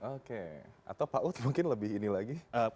oke atau paut mungkin lebih ini lagi